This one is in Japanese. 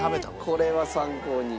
これは参考に。